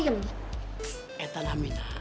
eh itu namanya